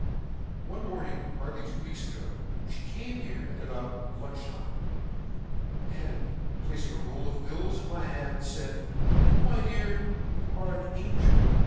“One morning, hardly two weeks ago, she came here at about lunch time, and, placing a roll of bills in my hand, said: 'My dear, you are an angel!